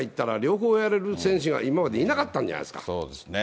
でもやっぱりプロに入ったら両方やれる選手が今までいなかったんそうですね。